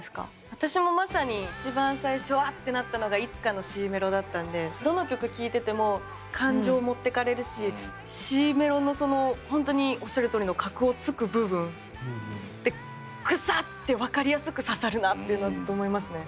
私もまさに一番最初うわあってなったのがどの曲聴いてても感情持ってかれるしＣメロのそのほんとにおっしゃるとおりの核をつく部分でグサッて分かりやすく刺さるなっていうのはずっと思いますね。